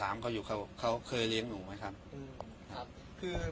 อ้าวแล้วเขาเอาเรื่องนี้มาจัดไง